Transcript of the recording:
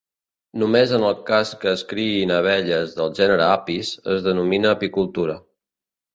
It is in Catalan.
Només en el cas que es criïn abelles del gènere Apis es denomina apicultura.